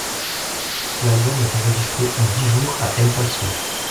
L'album est enregistré en dix jours à El Paso.